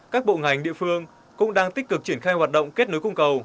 các bộ ngành địa phương cũng đang tích cực triển khai hoạt động kết nối cung cầu